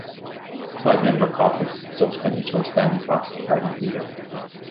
The five-member caucus subsequently chose Stanley Fox as the party's leader.